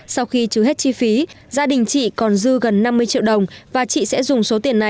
sau khi trừ hết chi phí gia đình chị còn dư gần năm mươi triệu đồng và chị sẽ dùng số tiền này